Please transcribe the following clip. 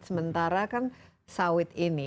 sementara kan sawit ini